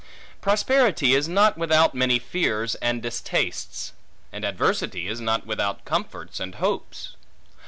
Prosperity is not without many fears and distastes; and adversity is not without comforts and hopes.